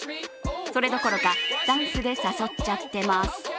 それどころか、ダンスで誘っちゃってます。